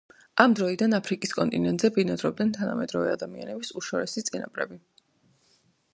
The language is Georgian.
ამ დროიდან აფრიკის კონტინენტზე ბინადრობდნენ თანამედროვე ადამიანების უშორესი წინაპრები.